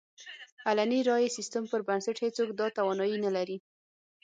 علني رایې سیستم پر بنسټ هېڅوک دا توانایي نه لري.